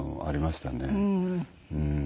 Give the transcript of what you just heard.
うん。